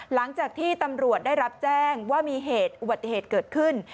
หลังจากที่ตำรวจได้รับแจ้งว่ามีเหตุอุบัติเหตุเกิดขึ้น